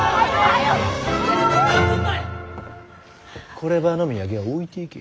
こればあの土産は置いていけ。